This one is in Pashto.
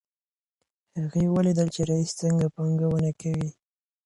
هغې ولیدل چې رییس څنګه پانګونه کوي.